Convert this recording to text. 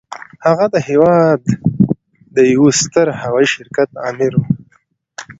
هغه د هېواد د يوه ستر هوايي شرکت آمر و.